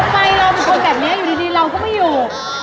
เราเป็นคนแบบนี้อยู่ดีเราก็ไม่อยู่